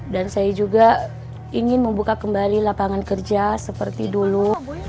dan saya juga ingin membuka kembali lapangan kerja seperti dulu